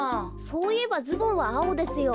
そういえばズボンはあおですよ。